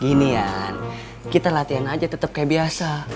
gini yan kita latihan aja tetep kayak biasa